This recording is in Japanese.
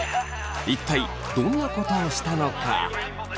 一体どんなことをしたのか？